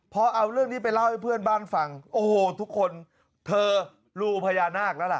พอเอาเรื่องนี้ไปเล่าให้เพื่อนบ้านฟังโอ้โหทุกคนเธอรูพญานาคแล้วล่ะ